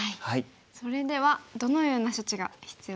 それではどのような処置が必要ですか？